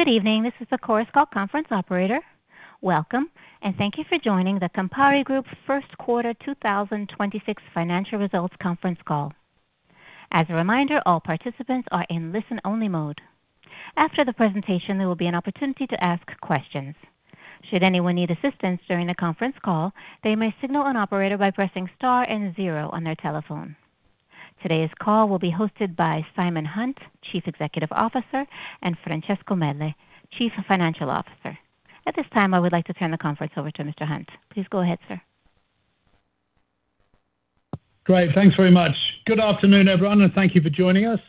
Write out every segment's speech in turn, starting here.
Good evening. This is the Chorus Call conference operator. Welcome, and thank you for joining the Campari Group First Quarter 2026 financial results conference call. As a reminder, all participants are in listen-only mode. After the presentation, there will be an opportunity to ask questions. Should anyone need assistance during the conference call, they may signal an operator by pressing star and zero on their telephone. Today's call will be hosted by Simon Hunt, Chief Executive Officer, and Francesco Mele, Chief Financial Officer. At this time, I would like to turn the conference over to Mr. Hunt. Please go ahead, sir. Great. Thanks very much. Good afternoon, everyone, and thank you for joining us.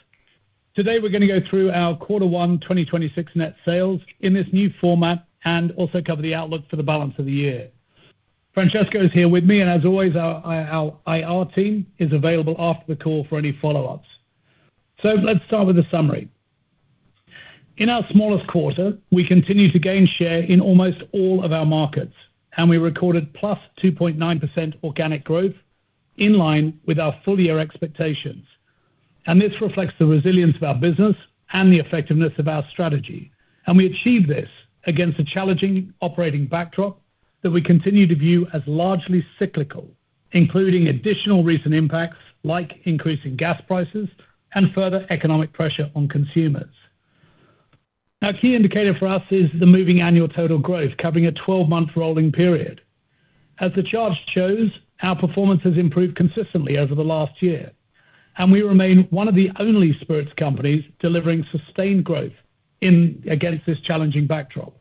Today, we're gonna go through our Q1 2026 net sales in this new format and also cover the outlook for the balance of the year. Francesco is here with me, as always, our IR team is available after the call for any follow-ups. Let's start with a summary. In our smallest quarter, we continue to gain share in almost all of our markets, we recorded +2.9% organic growth in line with our full-year expectations. This reflects the resilience of our business and the effectiveness of our strategy. We achieved this against a challenging operating backdrop that we continue to view as largely cyclical, including additional recent impacts like increasing gas prices and further economic pressure on consumers. A key indicator for us is the moving annual total growth covering a 12-month rolling period. As the chart shows, our performance has improved consistently over the last year, and we remain one of the only spirits companies delivering sustained growth against this challenging backdrop.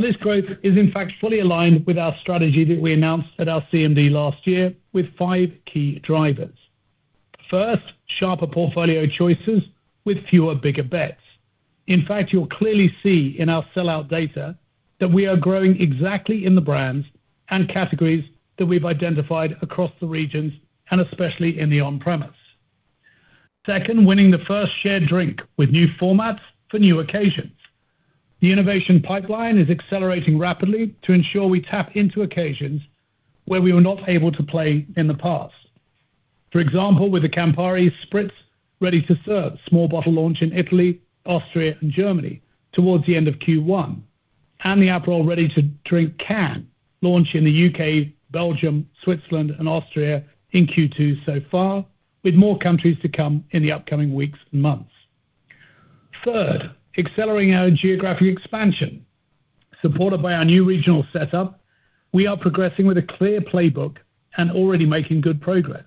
This growth is, in fact, fully aligned with our strategy that we announced at our CMD last year with five key drivers. First, sharper portfolio choices with fewer bigger bets. In fact, you'll clearly see in our sellout data that we are growing exactly in the brands and categories that we've identified across the regions and especially in the on-premise. Second, winning the first shared drink with new formats for new occasions. The innovation pipeline is accelerating rapidly to ensure we tap into occasions where we were not able to play in the past. For example, with the Campari Spritz ready to serve small bottle launch in Italy, Austria, and Germany towards the end of Q1, and the Aperol ready to drink can launch in the U.K., Belgium, Switzerland, and Austria in Q2 so far, with more countries to come in the upcoming weeks and months. Third, accelerating our geographic expansion. Supported by our new regional setup, we are progressing with a clear playbook and already making good progress.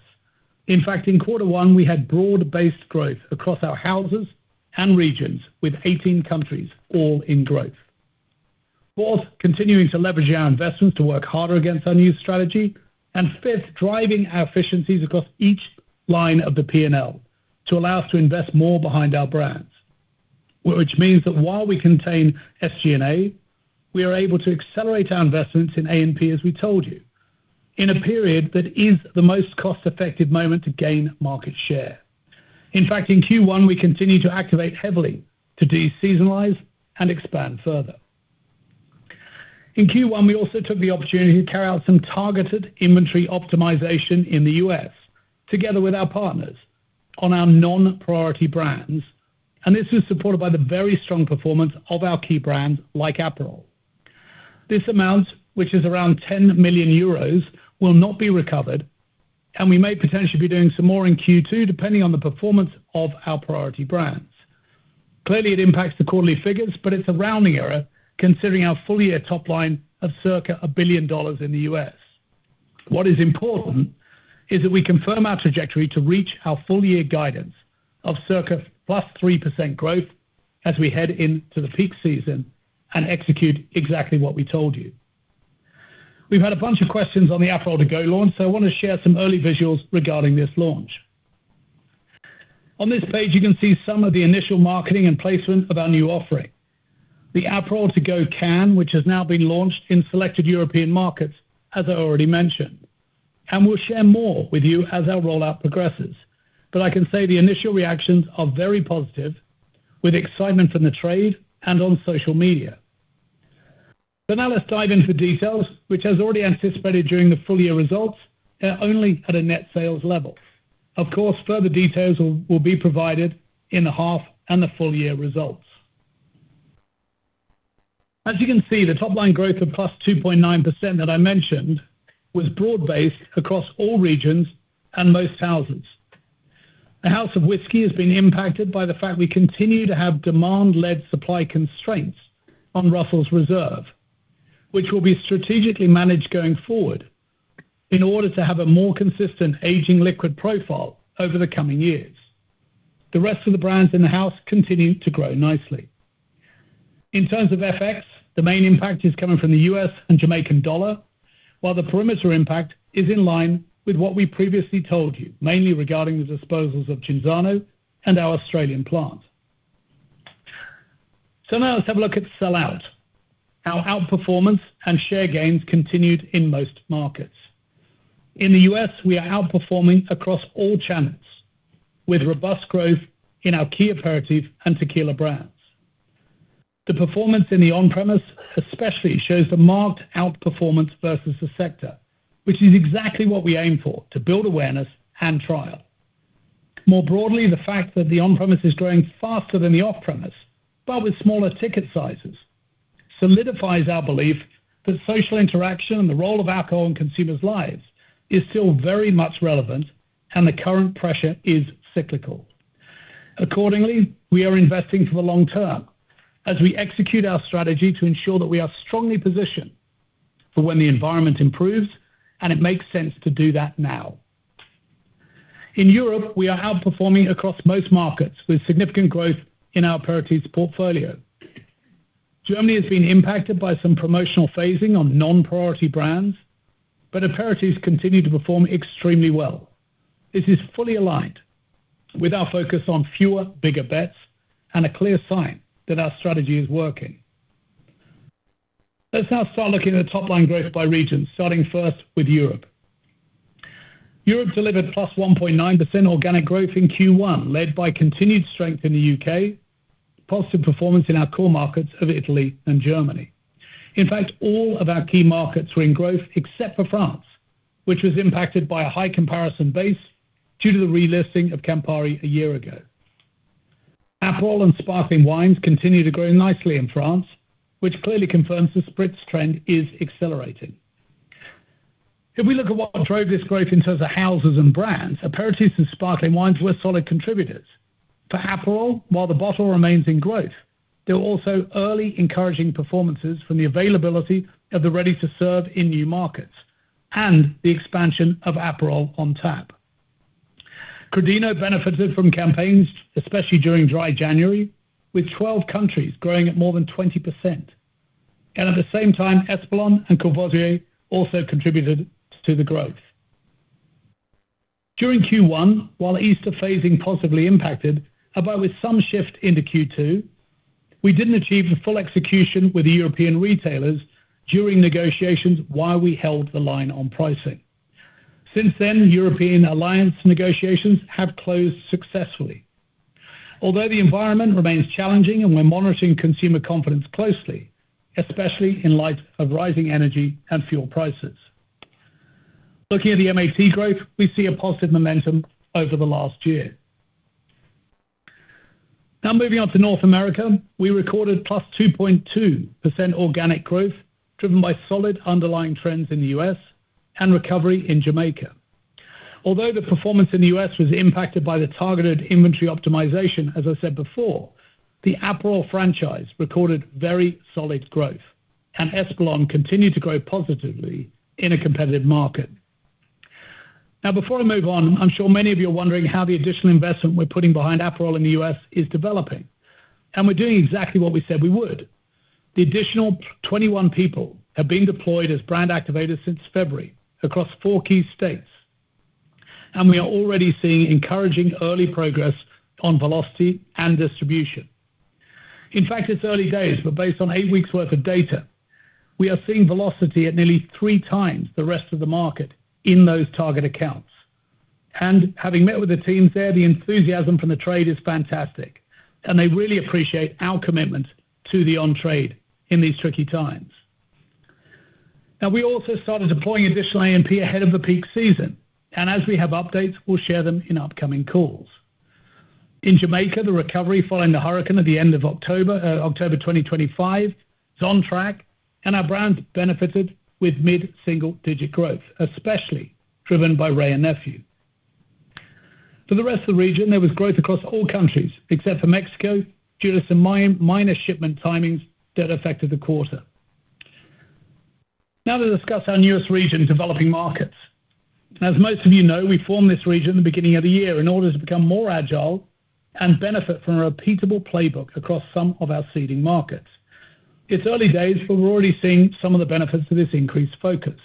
In fact, in quarter one, we had broad-based growth across our houses and regions with 18 countries all in growth. Fourth, continuing to leverage our investments to work harder against our new strategy. Fifth, driving our efficiencies across each line of the P&L to allow us to invest more behind our brands. Which means that while we contain SG&A, we are able to accelerate our investments in A&P, as we told you, in a period that is the most cost-effective moment to gain market share. In fact, in Q1, we continue to activate heavily to de-seasonalize and expand further. In Q1, we also took the opportunity to carry out some targeted inventory optimization in the U.S. together with our partners on our non-priority brands. This is supported by the very strong performance of our key brands like Aperol. This amount, which is around 10 million euros, will not be recovered, and we may potentially be doing some more in Q2, depending on the performance of our priority brands. Clearly, it impacts the quarterly figures, but it's a rounding error considering our full-year top line of circa $1 billion in the U.S. What is important is that we confirm our trajectory to reach our full-year guidance of circa plus 3% growth as we head into the peak season and execute exactly what we told you. We've had a bunch of questions on the Aperol TO GO launch, I wanna share some early visuals regarding this launch. On this page, you can see some of the initial marketing and placement of our new offering. The Aperol TO GO can, which has now been launched in selected European markets, as I already mentioned. We'll share more with you as our rollout progresses. I can say the initial reactions are very positive, with excitement from the trade and on social media. Now let's dive into details, which as already anticipated during the full-year results, are only at a net sales level. Of course, further details will be provided in the half and the full-year results. As you can see, the top-line growth of +2.9% that I mentioned was broad-based across all regions and most houses. The House of Whiskey has been impacted by the fact we continue to have demand-led supply constraints on Russell's Reserve, which will be strategically managed going forward in order to have a more consistent aging liquid profile over the coming years. The rest of the brands in the house continue to grow nicely. In terms of FX, the main impact is coming from the U.S. and Jamaican dollar, while the perimeter impact is in line with what we previously told you, mainly regarding the disposals of Cinzano and our Australian plant. Now let's have a look at sellout. Our outperformance and share gains continued in most markets. In the U.S., we are outperforming across all channels with robust growth in our key aperitif and tequila brands. The performance in the on-premise especially shows the marked outperformance versus the sector, which is exactly what we aim for, to build awareness and trial. The fact that the on-premise is growing faster than the off-premise, but with smaller ticket sizes, solidifies our belief that social interaction and the role of alcohol in consumers' lives is still very much relevant and the current pressure is cyclical. We are investing for the long term as we execute our strategy to ensure that we are strongly positioned for when the environment improves, and it makes sense to do that now. In Europe, we are outperforming across most markets with significant growth in our priorities portfolio. Germany has been impacted by some promotional phasing on non-priority brands, but priorities continue to perform extremely well. This is fully aligned with our focus on fewer, bigger bets and a clear sign that our strategy is working. Let's now start looking at the top line growth by region, starting first with Europe. Europe delivered +1.9% organic growth in Q1, led by continued strength in the U.K., positive performance in our core markets of Italy and Germany. In fact, all of our key markets were in growth except for France, which was impacted by a high comparison base due to the relisting of Campari a year ago. Aperol and sparkling wines continue to grow nicely in France, which clearly confirms the spritz trend is accelerating. If we look at what drove this growth in terms of houses and brands, aperitifs and sparkling wines were solid contributors. For Aperol, while the bottle remains in growth, there were also early encouraging performances from the availability of the ready-to-serve in new markets and the expansion of Aperol on tap. Crodino benefited from campaigns, especially during Dry January, with 12 countries growing at more than 20%. At the same time, Espolòn and Courvoisier also contributed to the growth. During Q1, while Easter phasing positively impacted, although with some shift into Q2, we didn't achieve the full execution with the European retailers during negotiations while we held the line on pricing. Since then, European alliance negotiations have closed successfully. The environment remains challenging and we're monitoring consumer confidence closely, especially in light of rising energy and fuel prices. Looking at the MAT growth, we see a positive momentum over the last year. Moving on to North America, we recorded +2.2% organic growth, driven by solid underlying trends in the U.S. and recovery in Jamaica. The performance in the U.S. was impacted by the targeted inventory optimization, as I said before, the Aperol franchise recorded very solid growth, and Espolòn continued to grow positively in a competitive market. Before I move on, I'm sure many of you are wondering how the additional investment we're putting behind Aperol in the U.S. is developing. We're doing exactly what we said we would. The additional 21 people have been deployed as brand activators since February across four key states, and we are already seeing encouraging early progress on velocity and distribution. It's early days, but based on eight weeks worth of data, we are seeing velocity at nearly three times the rest of the market in those target accounts. Having met with the teams there, the enthusiasm from the trade is fantastic, and they really appreciate our commitment to the on trade in these tricky times. We also started deploying additional A&P ahead of the peak season, and as we have updates, we'll share them in upcoming calls. In Jamaica, the recovery following the hurricane at the end of October 2025 is on track, and our brands benefited with mid-single-digit growth, especially driven by Wray & Nephew. For the rest of the region, there was growth across all countries, except for Mexico, due to some minor shipment timings that affected the quarter. To discuss our newest region, developing markets. As most of you know, we formed this region at the beginning of the year in order to become more agile and benefit from a repeatable playbook across some of our seeding markets. It's early days, we're already seeing some of the benefits of this increased focus.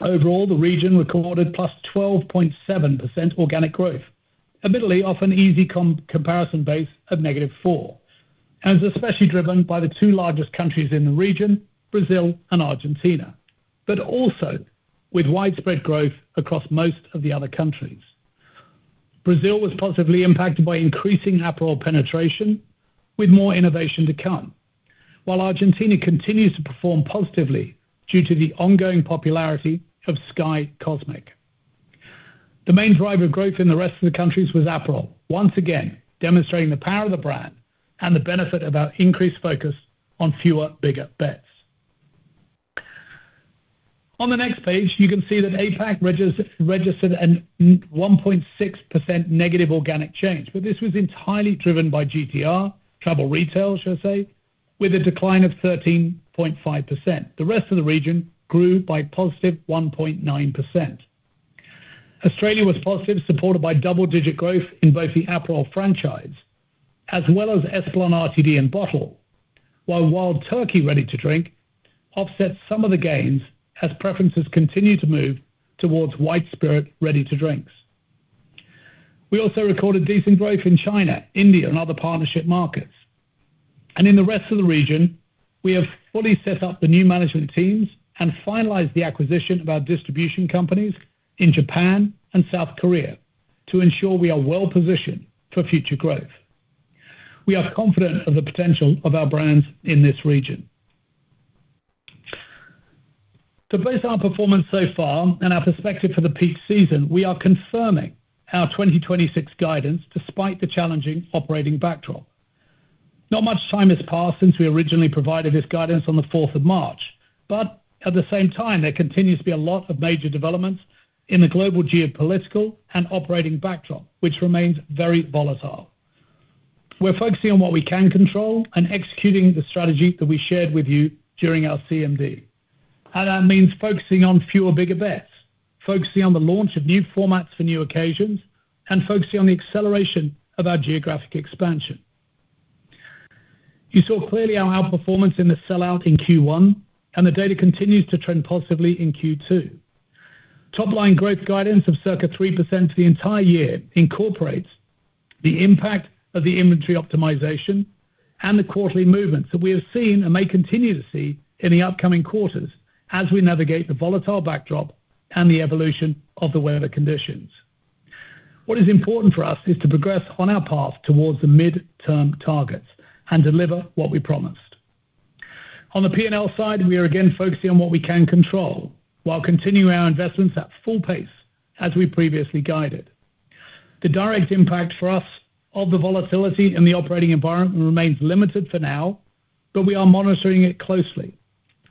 Overall, the region recorded +12.7% organic growth, admittedly off an easy comparison base of -4%. It's especially driven by the two largest countries in the region, Brazil and Argentina. Also with widespread growth across most of the other countries. Brazil was positively impacted by increasing Aperol penetration with more innovation to come. While Argentina continues to perform positively due to the ongoing popularity of SKYY Cosmic. The main driver of growth in the rest of the countries was Aperol, once again demonstrating the power of the brand and the benefit of our increased focus on fewer, bigger bets. On the next page, you can see that APAC registered a -1.6% organic change. This was entirely driven by GTR, travel retail, should I say, with a decline of 13.5%. The rest of the region grew by +1.9%. Australia was positive, supported by double-digit growth in both the Aperol franchise as well as Espolòn RTD and Bottle, while Wild Turkey ready to drink offset some of the gains as preferences continue to move towards white spirit ready to drinks. We also recorded decent growth in China, India, and other partnership markets. In the rest of the region, we have fully set up the new management teams and finalized the acquisition of our distribution companies in Japan and South Korea. To ensure we are well-positioned for future growth. We are confident of the potential of our brands in this region. To base our performance so far and our perspective for the peak season, we are confirming our 2026 guidance despite the challenging operating backdrop. Not much time has passed since we originally provided this guidance on the 4th of March, at the same time, there continues to be a lot of major developments in the global geopolitical and operating backdrop, which remains very volatile. We're focusing on what we can control and executing the strategy that we shared with you during our CMD. That means focusing on fewer bigger bets, focusing on the launch of new formats for new occasions, and focusing on the acceleration of our geographic expansion. You saw clearly on our performance in the sellout in Q1, and the data continues to trend positively in Q2. Topline growth guidance of circa 3% for the entire year incorporates the impact of the inventory optimization and the quarterly movements that we have seen and may continue to see in the upcoming quarters as we navigate the volatile backdrop and the evolution of the weather conditions. What is important for us is to progress on our path towards the mid-term targets and deliver what we promised. On the P&L side, we are again focusing on what we can control while continuing our investments at full pace as we previously guided. The direct impact for us of the volatility in the operating environment remains limited for now, but we are monitoring it closely,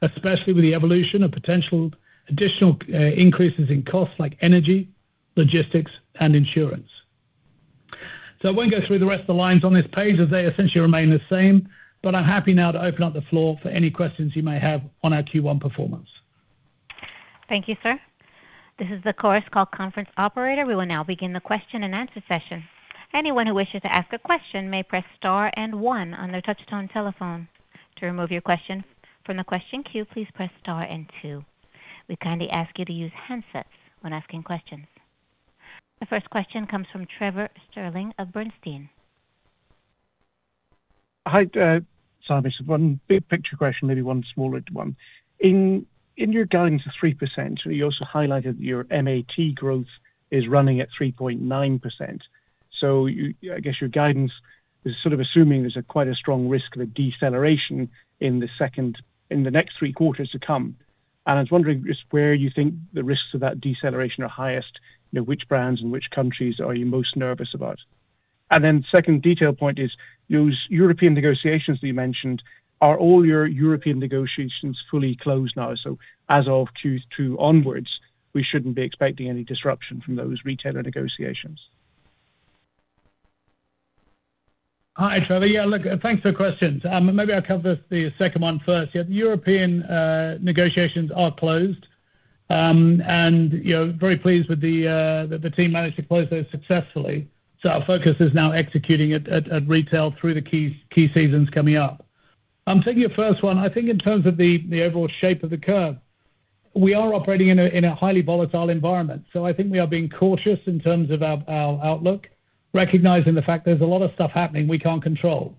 especially with the evolution of potential additional, increases in costs like energy, logistics, and insurance. I won't go through the rest of the lines on this page as they essentially remain the same, but I'm happy now to open up the floor for any questions you may have on our Q1 performance. Thank you, sir. This is the Chorus Call conference operator. We will now begin the question-and-answer session. Anyone who wishes to ask a question may press star and one on their touchtone telephone. To remove your question from the question queue, please press star and two. We kindly ask you to use handsets when asking questions. The first question comes from Trevor Stirling of Bernstein. Hi, Simon. One big picture question, maybe one smaller one. In your guidance of 3%, you also highlighted your MAT growth is running at 3.9%. I guess your guidance is sort of assuming there's a quite a strong risk of a deceleration in the second in the next three quarters to come. I was wondering just where you think the risks of that deceleration are highest, which brands and which countries are you most nervous about? Second detail point is, those European negotiations that you mentioned, are all your European negotiations fully closed now? As of Q2 onwards, we shouldn't be expecting any disruption from those retailer negotiations. Hi, Trevor. Yeah, look, thanks for the questions. Maybe I'll cover the second one first. Yeah, the European negotiations are closed. Very pleased with the that the team managed to close those successfully. Our focus is now executing at retail through the key seasons coming up. Taking your first one, I think in terms of the overall shape of the curve, we are operating in a highly volatile environment. I think we are being cautious in terms of our outlook, recognizing the fact there's a lot of stuff happening we can't control.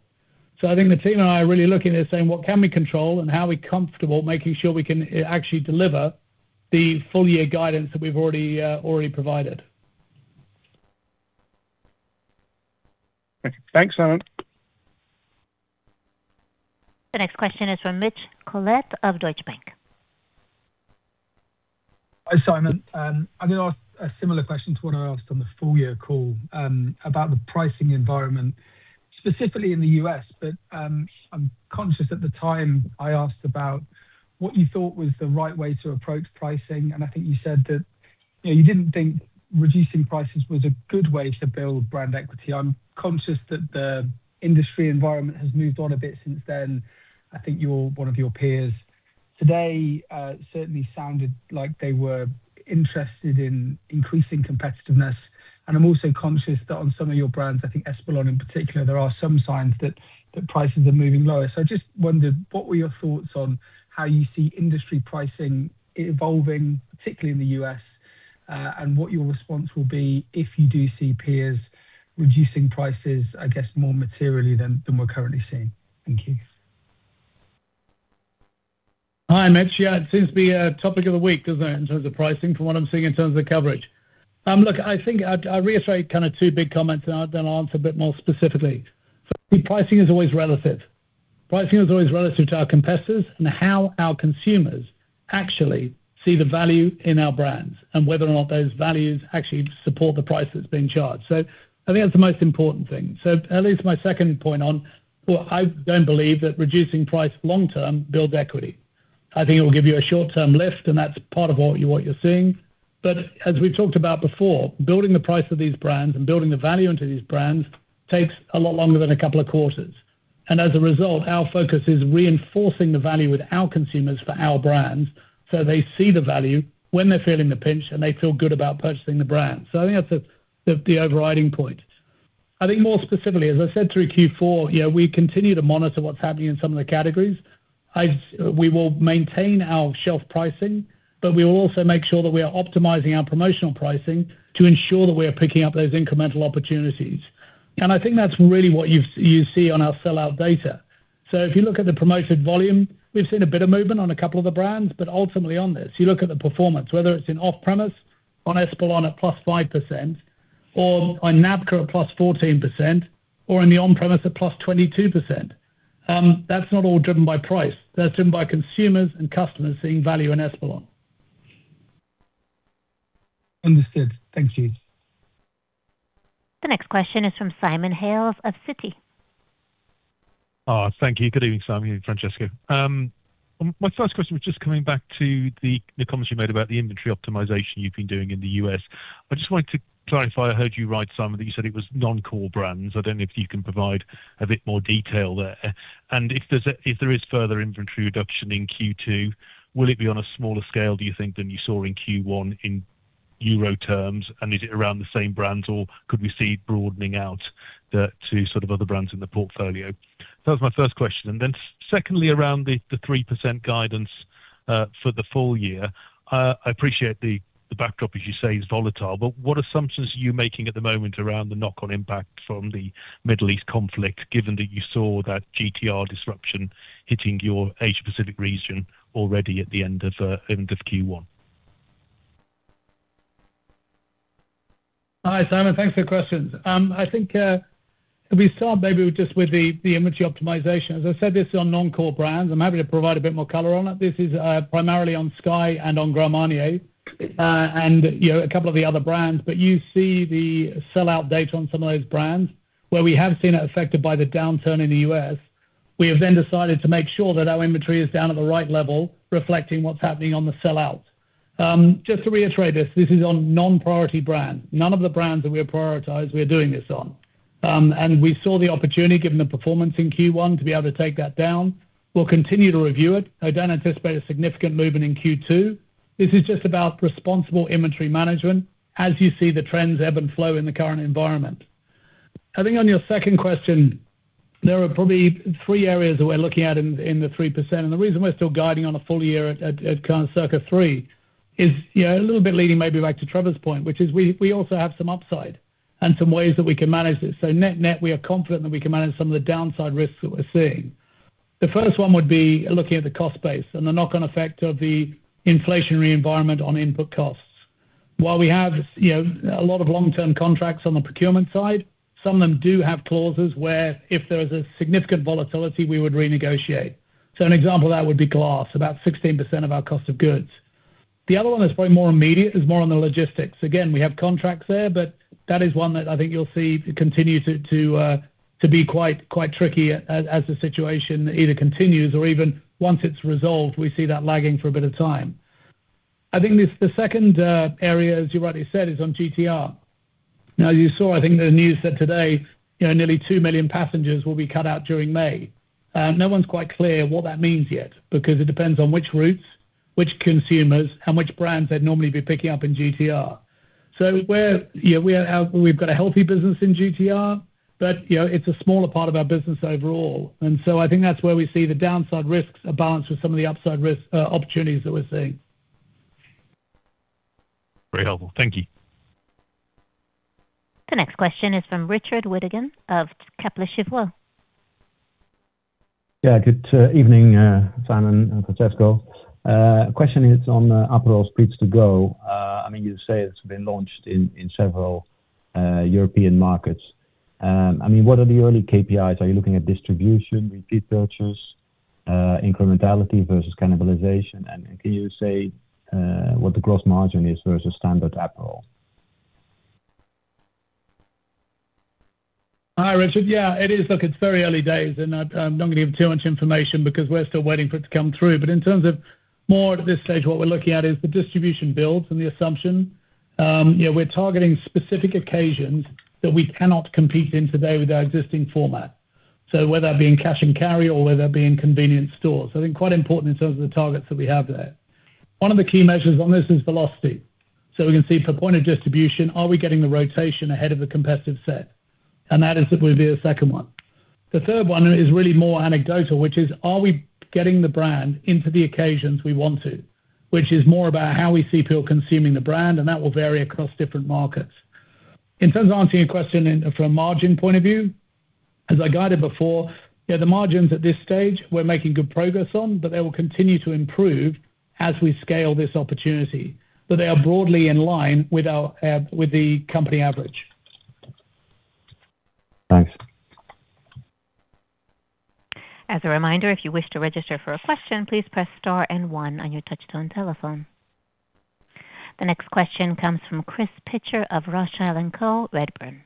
I think the team and I are really looking and saying, "What can we control, and how are we comfortable making sure we can actually deliver the full year guidance that we've already provided? Okay. Thanks, Simon. The next question is from Mitch Collett of Deutsche Bank. Hi, Simon. I'm gonna ask a similar question to what I asked on the full year call about the pricing environment, specifically in the U.S. I'm conscious at the time I asked about what you thought was the right way to approach pricing, and I think you said that, you didn't think reducing prices was a good way to build brand equity. I'm conscious that the industry environment has moved on a bit since then. I think your, one of your peers today, certainly sounded like they were interested in increasing competitiveness. I'm also conscious that on some of your brands, I think Espolòn in particular, there are some signs that prices are moving lower. I just wondered what were your thoughts on how you see industry pricing evolving, particularly in the U.S., and what your response will be if you do see peers reducing prices, I guess, more materially than we're currently seeing? Thank you. Hi, Mitch. Yeah, it seems to be a topic of the week, doesn't it, in terms of pricing from what I'm seeing in terms of the coverage. Look, I think I reiterate kind of two big comments, and I'll then answer a bit more specifically. Pricing is always relative. Pricing is always relative to our competitors and how our consumers actually see the value in our brands and whether or not those values actually support the price that's being charged. I think that's the most important thing. That leads to my second point on, well, I don't believe that reducing price long term builds equity. I think it will give you a short-term lift, and that's part of what you're seeing. As we've talked about before, building the price of these brands and building the value into these brands takes a lot longer than a couple of quarters. As a result, our focus is reinforcing the value with our consumers for our brands, so they see the value when they're feeling the pinch, and they feel good about purchasing the brand. I think that's the overriding point. I think more specifically, as I said through Q4, we continue to monitor what's happening in some of the categories. We will maintain our shelf pricing, but we will also make sure that we are optimizing our promotional pricing to ensure that we are picking up those incremental opportunities. I think that's really what you see on our sellout data. If you look at the promotion volume, we've seen a bit of movement on a couple of the brands, but ultimately on this, you look at the performance, whether it's in off-premise on Espolòn at +5%, or on Courvoisier at +14%, or in the on-premise at +22%. That's not all driven by price. That's driven by consumers and customers seeing value in Espolòn. Understood. Thank you. The next question is from Simon Hales of Citi. Thank you. Good evening, Simon. Good evening, Francesco. My first question was just coming back to the comments you made about the inventory optimization you've been doing in the U.S. I just wanted to clarify. I heard you right, Simon, that you said it was non-core brands. I don't know if you can provide a bit more detail there. If there is further inventory reduction in Q2, will it be on a smaller scale, do you think, than you saw in Q1 in EUR terms? Is it around the same brands, or could we see it broadening out to sort of other brands in the portfolio? That was my first question. Secondly, around the 3% guidance for the full year. I appreciate the backdrop, as you say, is volatile, but what assumptions are you making at the moment around the knock-on impact from the Middle East conflict, given that you saw that GTR disruption hitting your Asia-Pacific region already at the end of, end of Q1? Hi, Simon. Thanks for the questions. I think, if we start maybe with the inventory optimization. As I said, this is on non-core brands. I am happy to provide a bit more color on it. This is primarily on SKYY and on Grand Marnier, and, a couple of the other brands. You see the sell-out date on some of those brands where we have seen it affected by the downturn in the U.S. We have decided to make sure that our inventory is down at the right level, reflecting what's happening on the sell-out. Just to reiterate, this is on non-priority brand. None of the brands that we have prioritized, we are doing this on. We saw the opportunity, given the performance in Q1, to be able to take that down. We will continue to review it. I don't anticipate a significant movement in Q2. This is just about responsible inventory management as you see the trends ebb and flow in the current environment. I think on your second question, there are probably three areas that we're looking at in the 3%, and the reason we're still guiding on a full year at current circa three is, a little bit leading maybe back to Trevor's point, which is we also have some upside and some ways that we can manage this. Net-net, we are confident that we can manage some of the downside risks that we're seeing. The first one would be looking at the cost base and the knock-on effect of the inflationary environment on input costs. While we have, a lot of long-term contracts on the procurement side, some of them do have clauses where if there is a significant volatility, we would renegotiate. An example of that would be glass, about 16% of our cost of goods. The other one that's probably more immediate is more on the logistics. Again, we have contracts there, but that is one that I think you'll see continue to be quite tricky as the situation either continues or even once it is resolved, we see that lagging for a bit of time. I think this the second area, as you rightly said, is on GTR. Now, you saw, I think, the news said today nearly two million passengers will be cut out during May. No one's quite clear what that means yet because it depends on which routes, which consumers, how much brands they'd normally be picking up in GTR. We're we've got a healthy business in GTR, but it's a smaller part of our business overall. I think that's where we see the downside risks are balanced with some of the upside risk opportunities that we're seeing. Very helpful. Thank you. The next question is from Richard Withagen of Kepler Cheuvreux. Good evening, Simon and Francesco. Question is on Aperol Spritz TO GO. I mean, you say it's been launched in several European markets. I mean, what are the early KPIs? Are you looking at distribution, repeat purchase, incrementality versus cannibalization? Can you say what the gross margin is versus standard Aperol? Hi, Richard. Yeah, it is. Look, it's very early days, and I'm not gonna give too much information because we're still waiting for it to come through. In terms of more at this stage, what we're looking at is the distribution builds and the assumption. We're targeting specific occasions that we cannot compete in today with our existing format. Whether that be in cash and carry or whether that be in convenience stores. I think quite important in terms of the targets that we have there. One of the key measures on this is velocity. We can see per point of distribution, are we getting the rotation ahead of the competitive set? That is simply the second one. The third one is really more anecdotal, which is are we getting the brand into the occasions we want to, which is more about how we see people consuming the brand, that will vary across different markets. In terms of answering your question in, from a margin point of view, as I guided before, yeah, the margins at this stage we're making good progress on, they will continue to improve as we scale this opportunity. They are broadly in line with our with the company average. Thanks. The next question comes from Chris Pitcher of Rothschild & Co Redburn.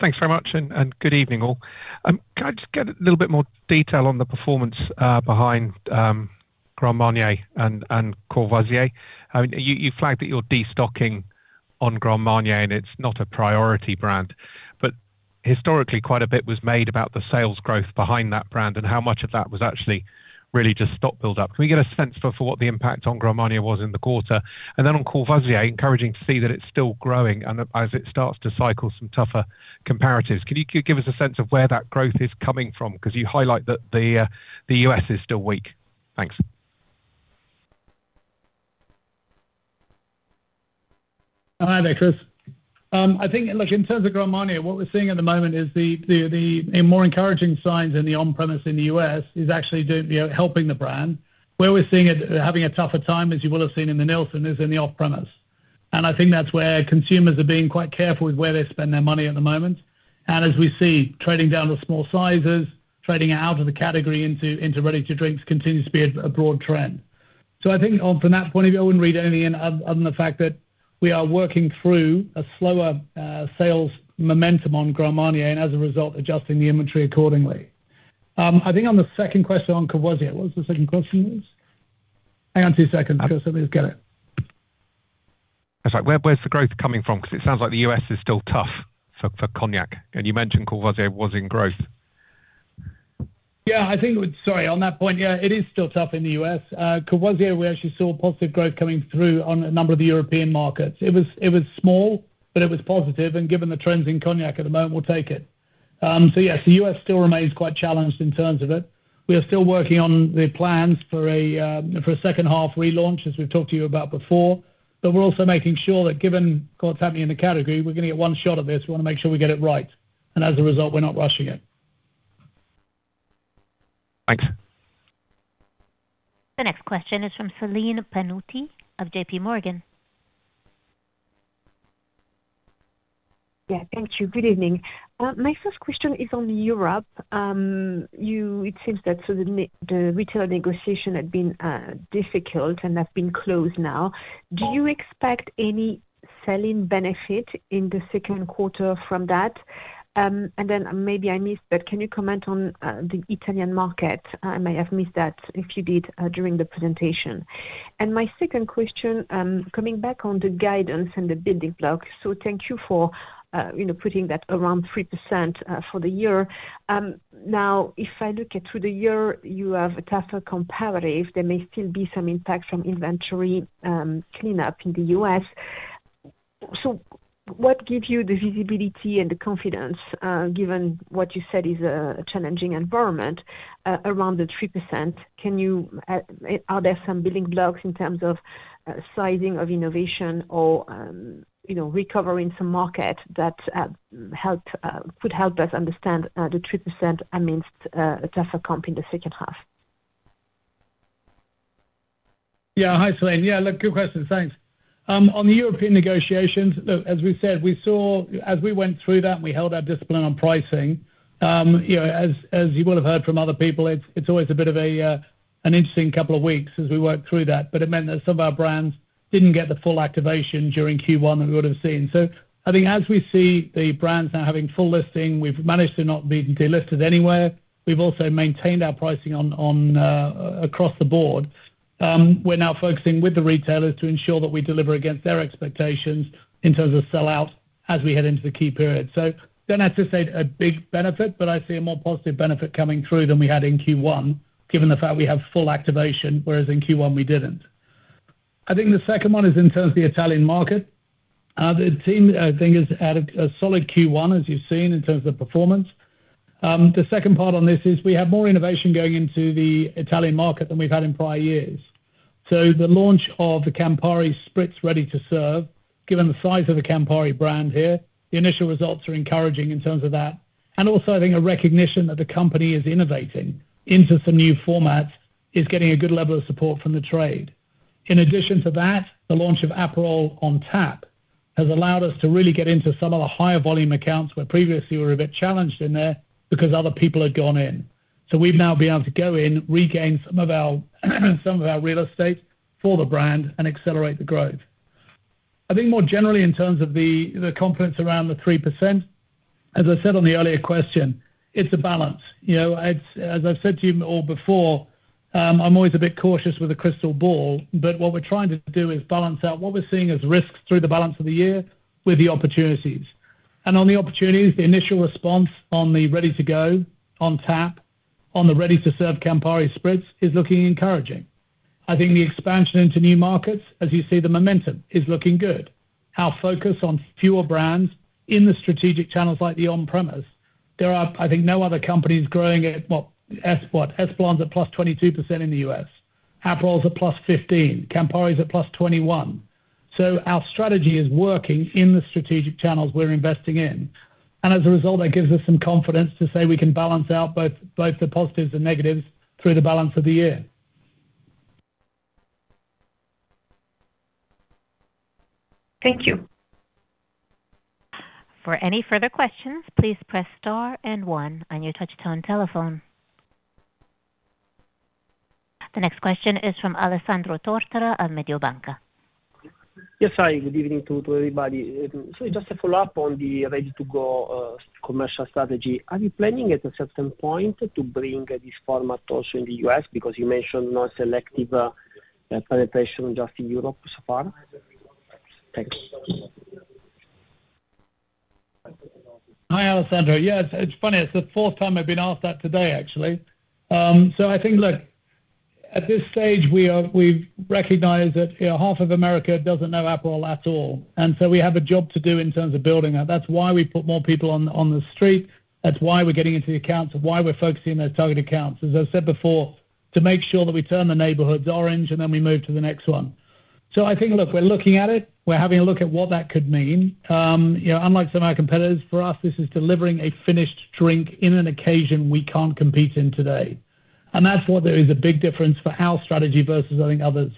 Thanks very much, and good evening all. Can I just get a little bit more detail on the performance behind Grand Marnier and Courvoisier? You flagged that you're destocking on Grand Marnier and it's not a priority brand. Historically, quite a bit was made about the sales growth behind that brand and how much of that was actually really just stock buildup. Can we get a sense for what the impact on Grand Marnier was in the quarter? Then on Courvoisier, encouraging to see that it's still growing as it starts to cycle some tougher comparatives. Can you give us a sense of where that growth is coming from? 'Cause you highlight that the U.S. is still weak. Thanks. Hi there, Chris. I think, look, in terms of Grand Marnier, what we're seeing at the moment is the more encouraging signs in the on-premise in the U.S. is actually helping the brand. Where we're seeing it having a tougher time, as you would have seen in the Nielsen, is in the off-premise. I think that's where consumers are being quite careful with where they spend their money at the moment. As we see trading down to small sizes, trading out of the category into ready-to-drinks continues to be a broad trend. I think on from that point of view, I wouldn't read any in other than the fact that we are working through a slower sales momentum on Grand Marnier and as a result, adjusting the inventory accordingly. I think on the second question on Courvoisier. What was the second question? Hang on two seconds until somebody's get it. That's right. Where, where's the growth coming from? 'Cause it sounds like the U.S. is still tough for cognac. You mentioned Courvoisier was in growth. Yeah, I think it was Sorry. On that point, it is still tough in the U.S. Courvoisier, we actually saw positive growth coming through on a number of the European markets. It was small, but it was positive, and given the trends in cognac at the moment, we'll take it. Yes, the U.S. still remains quite challenged in terms of it. We are still working on the plans for a second half relaunch, as we've talked to you about before. We're also making sure that given what's happening in the category, we're going to get one shot at this, we want to make sure we get it right, and as a result, we're not rushing it. Thanks. The next question is from Celine Pannuti of JPMorgan. Yeah, thank you. Good evening. My first question is on Europe. It seems that the retail negotiation had been difficult and have been closed now. Do you expect any selling benefit in the second quarter from that? Maybe I missed, but can you comment on the Italian market? I may have missed that if you did during the presentation. My second question, coming back on the guidance and the building blocks. Thank you for putting that around 3% for the year. Now, if I look at through the year, you have a tougher comparative. There may still be some impact from inventory cleanup in the U.S. What gives you the visibility and the confidence, given what you said is a challenging environment, around the 3%? Can you, are there some building blocks in terms of sizing of innovation or recovering some market that help, could help us understand, the 3% amidst a tougher comp in the second half? Hi, Celine. Look, good questions. Thanks. On the European negotiations, look, as we said, we saw as we went through that, we held our discipline on pricing. As you would have heard from other people, it's always a bit of an interesting couple of weeks as we work through that. It meant that some of our brands didn't get the full activation during Q1 that we would have seen. I think as we see the brands now having full listing, we've managed to not be delisted anywhere. We've also maintained our pricing on across the board. We're now focusing with the retailers to ensure that we deliver against their expectations in terms of sell-out as we head into the key period. Don't have to say a big benefit, but I see a more positive benefit coming through than we had in Q1, given the fact we have full activation, whereas in Q1 we didn't. I think the second one is in terms of the Italian market. The team I think has had a solid Q1, as you've seen in terms of performance. The second part on this is we have more innovation going into the Italian market than we've had in prior years. The launch of the Campari Spritz Ready to Serve, given the size of the Campari brand here, the initial results are encouraging in terms of that. Also, I think a recognition that the company is innovating into some new formats is getting a good level of support from the trade. In addition to that, the launch of Aperol on Tap has allowed us to really get into some of the higher volume accounts where previously we were a bit challenged in there because other people had gone in. We've now been able to go in, regain some of our, some of our real estate for the brand and accelerate the growth. I think more generally in terms of the confidence around the 3%, as I said on the earlier question, it's a balance. As I've said to you all before, I'm always a bit cautious with a crystal ball, but what we're trying to do is balance out what we're seeing as risks through the balance of the year with the opportunities. On the opportunities, the initial response on the Ready To Go, on Tap, on the Ready to Serve Campari Spritz is looking encouraging. I think the expansion into new markets, as you see the momentum, is looking good. Our focus on fewer brands in the strategic channels like the on-premise, there are, I think no other companies growing at what SKYY's at +22% in the U.S. Aperol's at +15%. Campari's at +21%. Our strategy is working in the strategic channels we're investing in. As a result, that gives us some confidence to say we can balance out both the positives and negatives through the balance of the year. Thank you. For any further question, please press star and one on your touchtone telephone The next question is from Alessandro Tortora of Mediobanca. Yes. Hi, good evening to everybody. Just a follow-up on the Ready To Go commercial strategy. Are you planning at a certain point to bring this format also in the U.S.? Because you mentioned more selective penetration just in Europe so far. Thanks. Hi, Alessandro. Yeah. It's, it's funny, it's the fourth time I've been asked that today, actually. I think, look, at this stage we've recognized that half of America doesn't know Aperol at all, so we have a job to do in terms of building that. That's why we put more people on the street. That's why we're getting into the accounts, why we're focusing on those target accounts. As I've said before, to make sure that we turn the neighborhoods orange then we move to the next one. I think, look, we're looking at it. We're having a look at what that could mean. Unlike some of our competitors, for us, this is delivering a finished drink in an occasion we can't compete in today. That's what there is a big difference for our strategy versus, I think, others.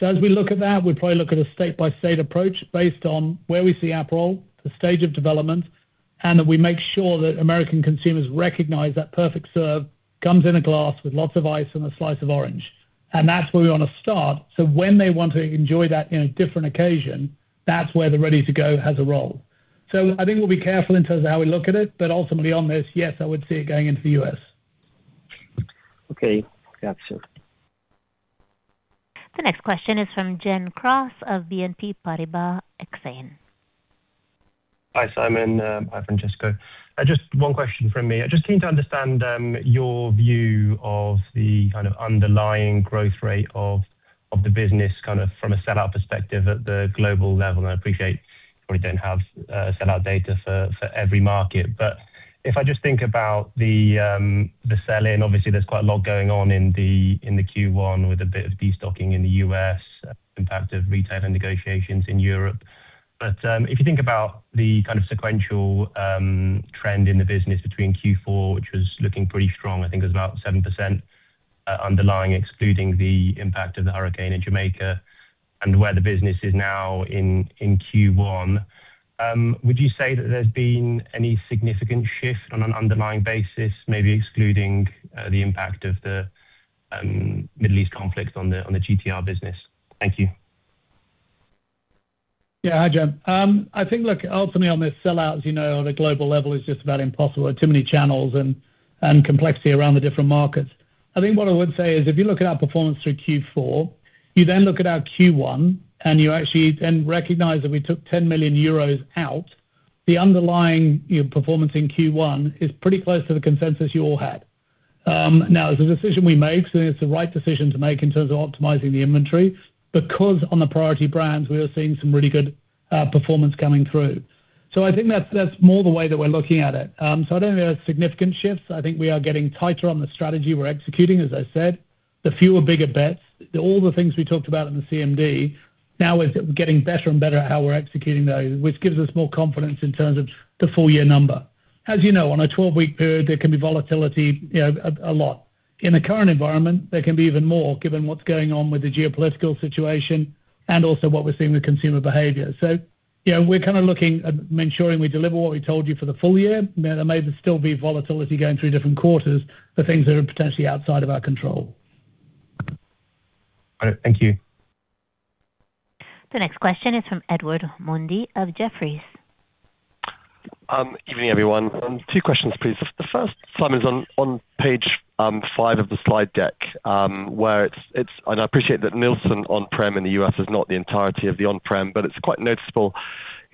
As we look at that, we probably look at a state-by-state approach based on where we see Aperol, the stage of development, and that we make sure that American consumers recognize that perfect serve comes in a glass with lots of ice and a slice of orange. That's where we want to start. When they want to enjoy that in a different occasion, that's where the ready to go has a role. I think we'll be careful in terms of how we look at it, but ultimately on this, yes, I would see it going into the U.S. Okay. Gotcha. The next question is from Gen Cross of BNP Paribas Exane. Hi, Simon. Hi, Francesco. Just one question from me. I just need to understand your view of the kind of underlying growth rate of the business kind of from a sellout perspective at the global level. I appreciate you probably don't have sellout data for every market. If I just think about the sell-in, obviously there's quite a lot going on in the Q1 with a bit of destocking in the U.S., impact of retail and negotiations in Europe. If you think about the kind of sequential trend in the business between Q4, which was looking pretty strong, I think it was about 7% underlying, excluding the impact of the hurricane in Jamaica and where the business is now in Q1, would you say that there's been any significant shift on an underlying basis, maybe excluding the impact of the Middle East conflict on the GTR business? Thank you. Hi, Gen. I think, look, ultimately on this sellout, as you know, on a global level is just about impossible. There are too many channels and complexity around the different markets. I think what I would say is if you look at our performance through Q4, you then look at our Q1 and you actually then recognize that we took 10 million euros out, the underlying performance in Q1 is pretty close to the consensus you all had. Now, it's a decision we made, so it's the right decision to make in terms of optimizing the inventory because on the priority brands, we are seeing some really good performance coming through. I think that's more the way that we're looking at it. I don't think there are significant shifts. I think we are getting tighter on the strategy we're executing, as I said. The fewer bigger bets. All the things we talked about in the CMD, now is that we're getting better and better at how we're executing those, which gives us more confidence in terms of the full year number. As you know, on a 12-week period, there can be volatility a lot. In the current environment, there can be even more given what's going on with the geopolitical situation and also what we're seeing with consumer behavior. We're kinda looking at ensuring we deliver what we told you for the full year. Now, there may still be volatility going through different quarters for things that are potentially outside of our control. All right. Thank you. The next question is from Edward Mundy of Jefferies. Evening, everyone. Two questions, please. The first, Simon, is on page five of the slide deck, where it's I appreciate that Nielsen on-prem in the U.S. is not the entirety of the on-prem, but it's quite noticeable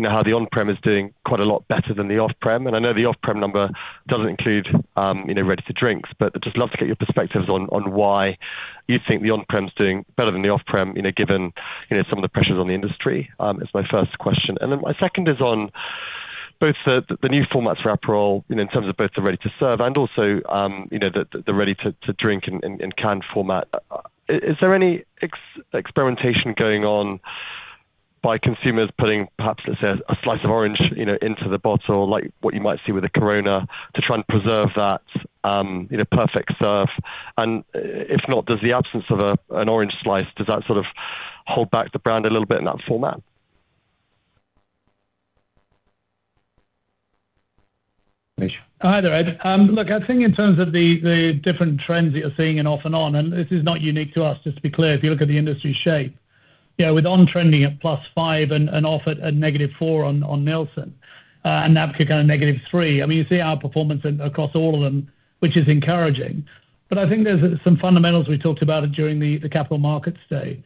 how the on-prem is doing quite a lot better than the off-prem. I know the off-prem number doesn't include ready-to-drink, but I'd just love to get your perspectives on why you think the on-prem is doing better than the off-prem given some of the pressures on the industry. That's my first question. My second is on both the new formats for Aperol in terms of both the ready-to-serve and also the ready-to-drink in canned format. Is there any experimentation going on by consumers putting perhaps, let's say, a slice of orange into the bottle, like what you might see with a Corona to try and preserve that perfect serve? If not, does the absence of an orange slice, does that sort of hold back the brand a little bit in that format? Hi there, Edward. Look, I think in terms of the different trends that you're seeing in off and on, and this is not unique to us, just to be clear, if you look at the industry shape. With on-trending at +5% and off at a -4% on Nielsen, and NABCA kind of -3%. I mean, you see our performance across all of them, which is encouraging. I think there's some fundamentals we talked about during the capital markets day.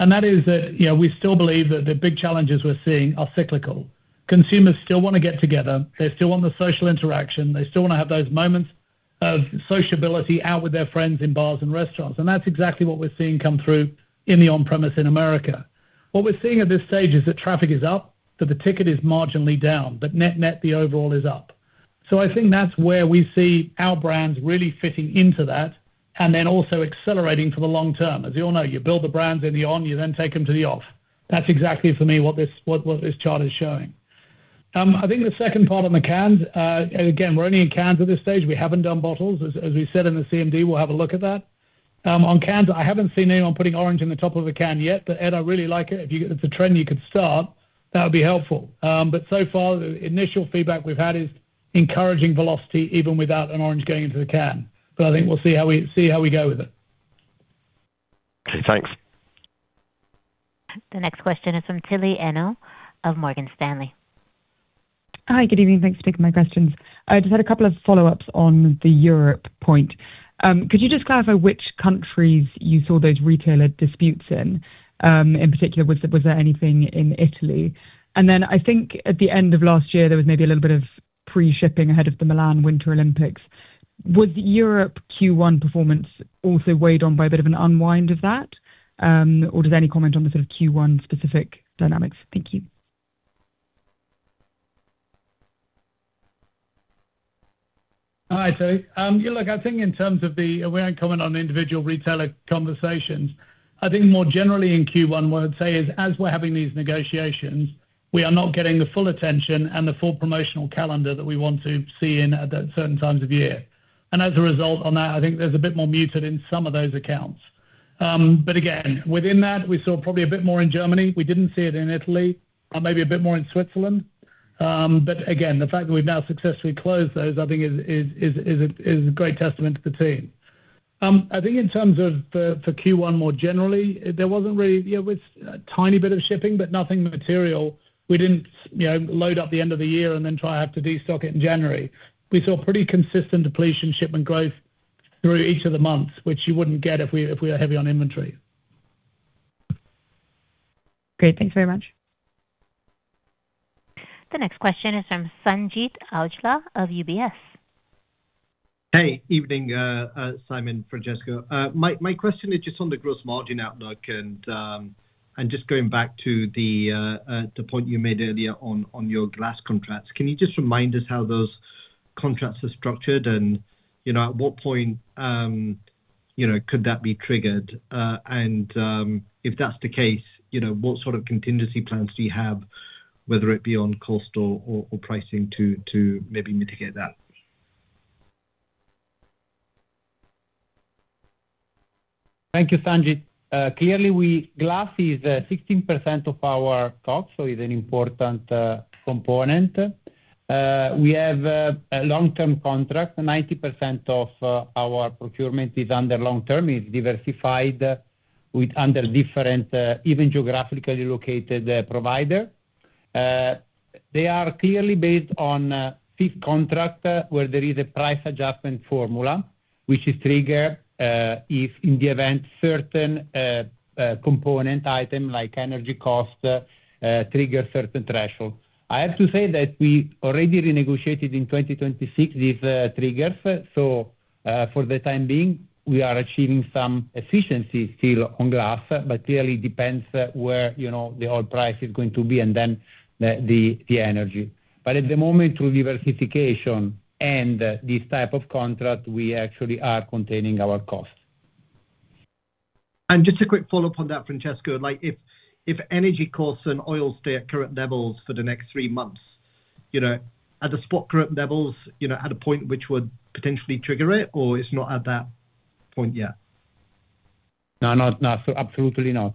That is that we still believe that the big challenges we're seeing are cyclical. Consumers still wanna get together. They still want the social interaction. They still wanna have those moments of sociability out with their friends in bars and restaurants. That's exactly what we're seeing come through in the on-premise in America. What we're seeing at this stage is that traffic is up, but the ticket is marginally down, but net-net, the overall is up. I think that's where we see our brands really fitting into that and then also accelerating for the long term. As you all know, you build the brands in the on, you then take them to the off. That's exactly for me what this chart is showing. I think the second part on the cans, again, we're only in cans at this stage. We haven't done bottles. As we said in the CMD, we'll have a look at that. On cans, I haven't seen anyone putting orange in the top of a can yet, but Ed, I really like it. It's a trend you could start, that would be helpful. So far, the initial feedback we've had is encouraging velocity even without an orange going into the can. I think we'll see how we go with it. Okay, thanks. The next question is from Tilly Eno of Morgan Stanley. Hi. Good evening. Thanks for taking my questions. I just had a couple of follow-ups on the Europe point. Could you just clarify which countries you saw those retailer disputes in? In particular, was there anything in Italy? I think at the end of last year, there was maybe a little bit of pre-shipping ahead of the Milan Winter Olympics. Was Europe Q1 performance also weighed on by a bit of an unwind of that? Or just any comment on the sort of Q1 specific dynamics. Thank you. Hi, Tilly. Yeah, look, I think in terms of, we aren't commenting on individual retailer conversations. I think more generally in Q1, what I'd say is as we're having these negotiations, we are not getting the full attention and the full promotional calendar that we want to see in at certain times of year. As a result on that, I think there's a bit more muted in some of those accounts. Again, within that, we saw probably a bit more in Germany. We didn't see it in Italy, or maybe a bit more in Switzerland. Again, the fact that we've now successfully closed those, I think is a great testament to the team. I think in terms of Q1 more generally, there wasn't really. Yeah, it was a tiny bit of shipping, but nothing material. We didn't load up the end of the year and then try have to destock it in January. We saw pretty consistent depletion shipment growth through each of the months, which you wouldn't get if we were heavy on inventory. Great. Thanks very much. The next question is from Sanjeet Aujla of UBS. Hey, evening, Simon, Francesco. My question is just on the gross margin outlook and just going back to the point you made earlier on your glass contracts. Can you just remind us how those contracts are structured and at what point could that be triggered? If that's the case what sort of contingency plans do you have, whether it be on cost or pricing to maybe mitigate that? Thank you, Sanjeet. Clearly, glass is 16% of our cost, is an important component. We have a long-term contract. 90% of our procurement is under long term. It's diversified with under different, even geographically located provider. They are clearly based on a fixed contract where there is a price adjustment formula which is triggered if in the event certain component item like energy cost trigger a certain threshold. I have to say that we already renegotiated in 2026 these triggers. For the time being, we are achieving some efficiency still on glass, but clearly depends where the oil price is going to be and then the energy. At the moment, through diversification and this type of contract, we actually are containing our costs. Just a quick follow-up on that, Francesco. Like, if energy costs and oil stay at current levels for the next three months are the spot current levels at a point which would potentially trigger it, or it's not at that point yet? No, not. No. Absolutely not.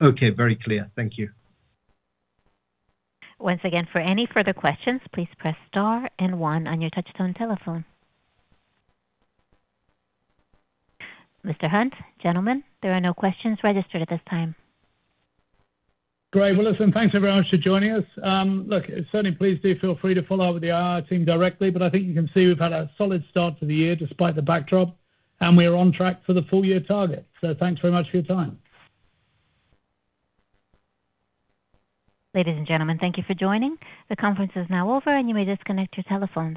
Okay. Very clear. Thank you. Once again for any further question please press star and one on your touchtone telephone. Mr. Hunt, gentlemen, there are no questions registered at this time. Great. Well, listen, thanks everyone for joining us. Look, certainly please do feel free to follow up with the IR team directly, but I think you can see we've had a solid start to the year despite the backdrop, and we are on track for the full year target. Thanks very much for your time. Ladies and gentlemen, thank you for joining. The conference is now over, and you may disconnect your telephones.